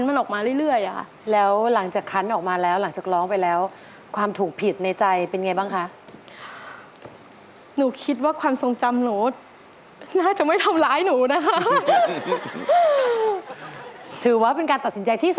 มันเสี่ยงมากเลยนะครับการร้องแบบนี้